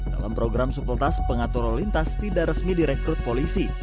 dalam program supletas pengatur lalu lintas tidak resmi direkrut polisi